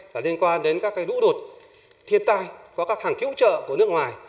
là liên quan đến các cái lũ đột thiên tai có các hàng cứu trợ của nước ngoài